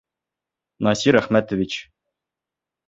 Насир Әхмәтович.